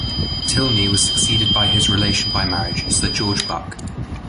Tylney was succeeded by his relation by marriage, Sir George Buck.